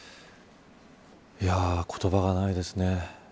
言葉がないですね。